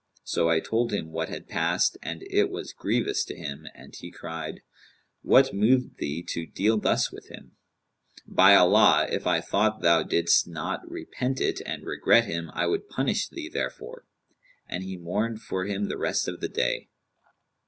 So I told him what had passed and it was grievous to him and he cried, 'What moved thee to deal thus with him?[FN#203] By Allah, if I thought thou didst not repent it and regret him I would punish thee therefor!' And he mourned for him the rest of the day."